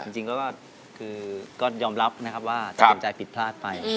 จริงก็ยอมรับนะครับว่าต้องกำลังใจผิดพลาดไป